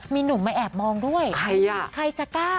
มีหนุ่มมาแอบมองด้วยใครอ่ะใครจะกล้า